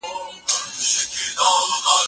که ته لارښود یې نو خپله دنده په سمه توګه ترسره کړه.